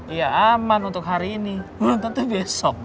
iya aman untuk hari ini nonton tuh besok